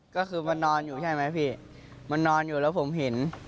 ก็คือมันนอนอยู่ใช่ไหมพี่มันนอนอยู่แล้วผมเห็น